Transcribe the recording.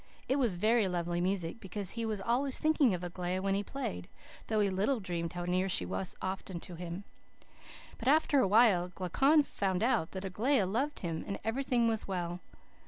It was very lovely music, because he was always thinking of Aglaia while he played, though he little dreamed how near him she often was. "But after awhile Glaucon found out that Aglaia loved him, and everything was well.